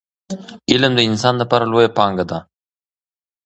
علم د انسان لپاره لویه پانګه ده.